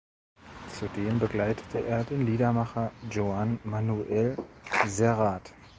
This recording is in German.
Zudem begleitete er den Liedermacher Joan Manuel Serrat.